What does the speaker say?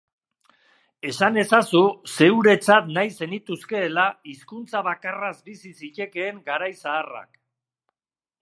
Esan ezazu zeuretzat nahi zenituzkeela hizkuntza bakarraz bizi zitezkeen garai zaharrak.